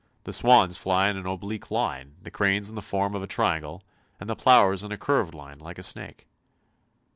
" The swans fly in an oblique line, the cranes in the form of a triangle, and the plovers in a curved line like a snake."